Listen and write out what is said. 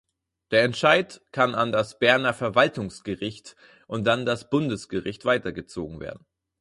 Der Entscheid kann an das Berner Verwaltungsgericht und dann das Bundesgericht weitergezogen werden.